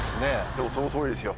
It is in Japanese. でもその通りですよ。